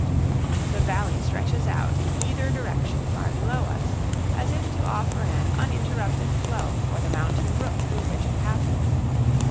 The valley stretches out in either direction far below us, as if to offer an uninterrupted flow for the mountain brook through which it passes.